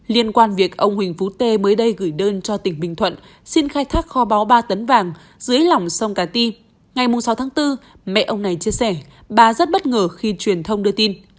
liên quan việc ông huỳnh phú tê mới đây gửi đơn cho tỉnh bình thuận xin khai thác kho báu ba tấn vàng dưới lỏng sông cà ti ngày sáu tháng bốn mẹ ông này chia sẻ bà rất bất ngờ khi truyền thông đưa tin